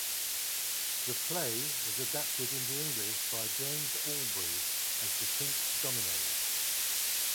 The play was adapted into English by James Albery as "The Pink Dominos".